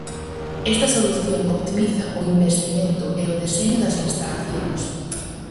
Esta solución optimiza o investimento e o deseño das instalacións.